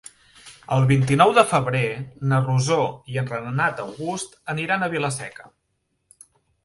El vint-i-nou de febrer na Rosó i en Renat August aniran a Vila-seca.